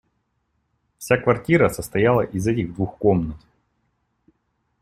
Вся квартира состояла из этих двух комнат.